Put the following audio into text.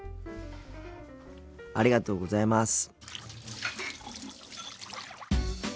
ありがとうございます。